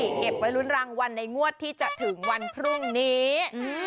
เก็บไว้ลุ้นรางวัลในงวดที่จะถึงวันพรุ่งนี้